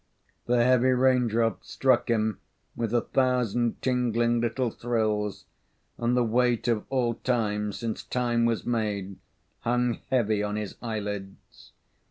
The heavy raindrops struck him with a thousand tingling little thrills, and the weight of all time since time was made hung heavy on his eyelids.